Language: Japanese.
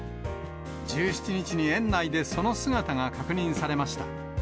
１７日に園内でその姿が確認されました。